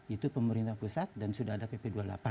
itu pemerintah pusat dan sudah ada pp dua puluh delapan